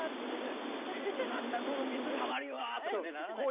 「何だこの水たまりは！」とかねならない。